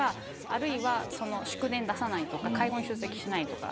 あるいは、祝電出さないとか会合に出席しないとか。